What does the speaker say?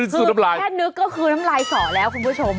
แค่นึกก็คือน้ำลายสอแล้วคุณผู้ชม